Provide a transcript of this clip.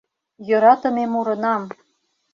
Йӧратыме мурынам.